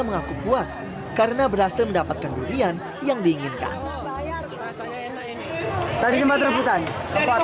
mengaku puas karena berhasil mendapatkan durian yang diinginkan tadi sempat remputan sempat